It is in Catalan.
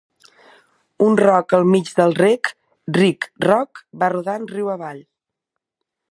Un roc al mig del rec, ric, roc, va rodant riu avall.